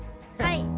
はい。